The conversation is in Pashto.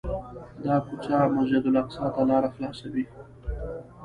دا کوڅه مسجدالاقصی ته لاره خلاصوي.